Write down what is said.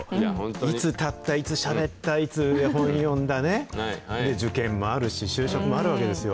いつ立った、いつしゃべった、いつ本読んだね、受験もあるし、就職もあるわけですよ。